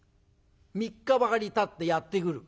３日ばかりたってやって来る。